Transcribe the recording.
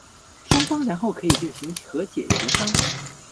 双方然后可以进行和解协商。